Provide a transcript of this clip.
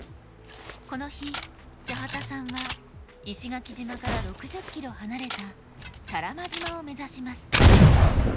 この日八幡さんは石垣島から６０ｋｍ離れた多良間島を目指します。